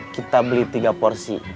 kita beli tiga porsi